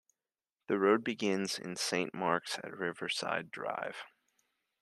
The road begins in Saint Marks at Riverside Drive.